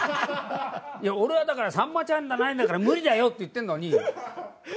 「俺はさんまちゃんじゃないんだから無理だよ」って言ってんのに。